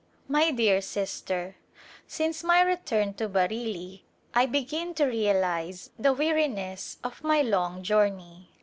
My dear Sister : Since my return to Bareilly I begin to realize the weariness of my long journey.